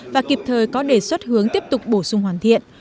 và kịp thời có đề xuất hướng tiếp tục bổ sung hoàn thiện